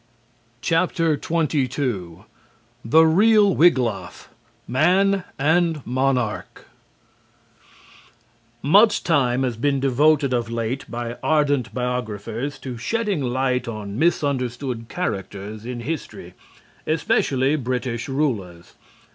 XXII THE REAL WIGLAF: MAN AND MONARCH Much time has been devoted of late by ardent biographers to shedding light on misunderstood characters in history, especially British rulers.